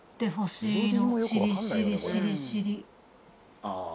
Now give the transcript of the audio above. ああ。